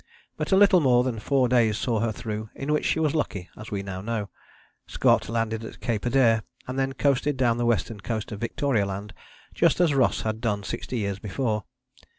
But a little more than four days saw her through, in which she was lucky, as we now know. Scott landed at Cape Adare and then coasted down the western coast of Victoria Land just as Ross had done sixty years before.